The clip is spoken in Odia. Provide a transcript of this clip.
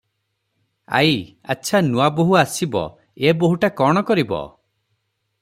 ଆଈ - ଆଚ୍ଛା, ନୁଆବୋହୂ ଆସିବ, ଏ ବୋହୂଟା କଣ କରିବ?